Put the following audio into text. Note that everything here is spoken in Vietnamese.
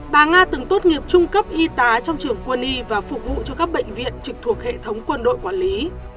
bà nga từng tốt nghiệp trung cấp y tá trong trường quân y và phục vụ cho các bệnh viện trực thuộc hệ thống quân đội quản lý